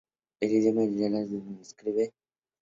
En idioma malayalam su nombre se escribe: Vadasseri Parameswaran.